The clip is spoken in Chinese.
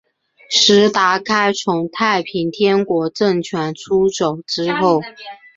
石达开从太平天国政权出走之后。